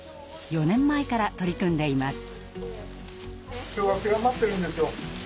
４年前から取り組んでいます。